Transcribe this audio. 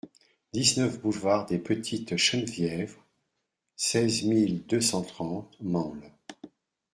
dix-neuf boulevard des Petites Chenevières, seize mille deux cent trente Mansle